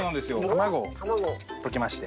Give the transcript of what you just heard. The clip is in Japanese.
卵を溶きまして。